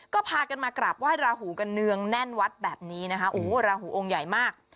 ก็พากันมากราบไห้ราหูกันเนืองแน่นวัดแบบนี้นะคะโอ้โหราหูองค์ใหญ่มาก